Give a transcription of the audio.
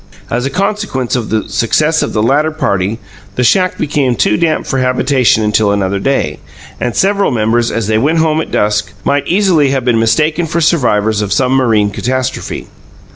As a consequence of the success of the latter party, the shack became too damp for habitation until another day, and several members, as they went home at dusk, might easily have been mistaken for survivors of some marine catastrophe.